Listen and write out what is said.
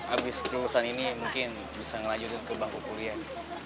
abis lulusan ini mungkin bisa ngelanjut ke bangku kuliah